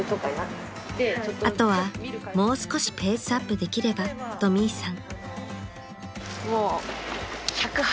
［あとはもう少しペースアップできればとミイさん］